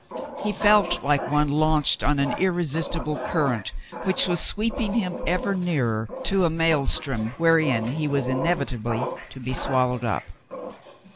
He felt like one launched on an irresistible current which was sweeping him ever nearer to a mael strom wherein he was inevitably to be swallowed up.